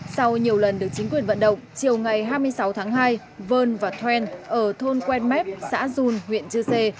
sau nhiều lần được chính quyền vận động chiều ngày hai mươi sáu tháng hai vơn và thoen ở thôn quen mép xã dun huyện chư sê